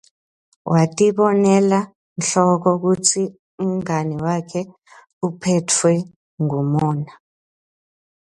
Watibonela Nhloko kutsi umngani wakhe uphetfwe ngumona.